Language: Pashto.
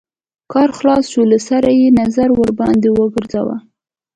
کار خلاص شو له سره يې نظر ورباندې وګرځوه.